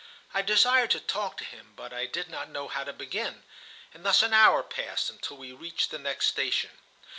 I desired to talk to him, but I did not know how to begin, and thus an hour passed until we reached the next station.